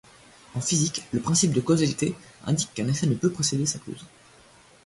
En physique, le principe de causalité indique qu'un effet ne peut précéder sa cause.